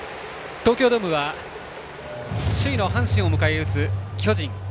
東京ドームは首位の阪神を迎え撃つ巨人。